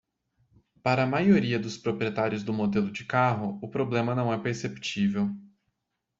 Para a maioria dos proprietários do modelo de carro?, o problema não é perceptível.